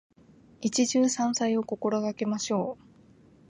一汁三菜を心がけましょう。